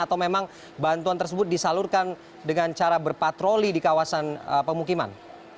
atau memang bantuan tersebut disalurkan dengan cara berpatroli di kawasan pemukiman